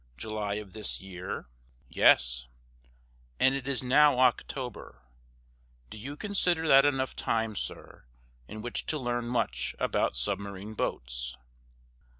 "July of this year?" "Yes." "And it is now October. Do you consider that enough time, sir, in which to learn much about submarine boats?"